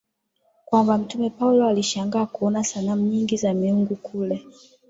kwamba Mtume Paulo alishangaa kuona sanamu nyingi za miungu kule